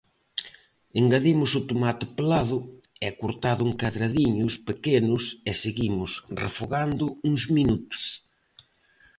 Engadimos o tomate pelado e cortado en cadradiños pequenos e seguimos refogando uns minutos.